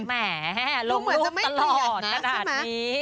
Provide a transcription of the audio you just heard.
แหมลงรูปตลอดขนาดนี้